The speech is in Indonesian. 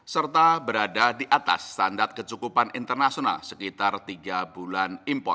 serta berada di atas standar kecukupan internasional sekitar tiga bulan impor